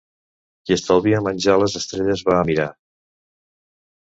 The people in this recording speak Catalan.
Qui estalvia el menjar les estrelles va a mirar.